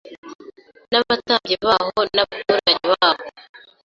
n’abatambyi baho n’abaturage baho